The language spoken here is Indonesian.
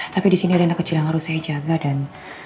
tapi di sini ada anak kecil yang harus saya jaga dan